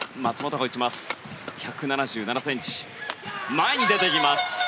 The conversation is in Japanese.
前に出てきました。